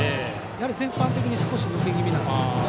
やはり、全般的に少し抜け気味なんですね。